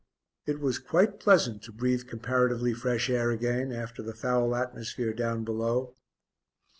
It was quite pleasant to breathe comparatively fresh air again after the foul atmosphere down below.